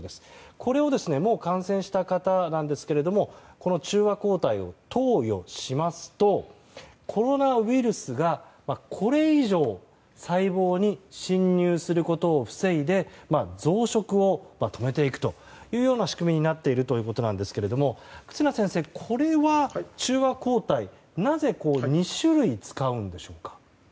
これを、感染した方に中和抗体を投与しますとコロナウイルスがこれ以上細胞に侵入することを防いで増殖を止めていくというような仕組みになっているということですが忽那先生、これは中和抗体なぜ２種類使うんでしょうか。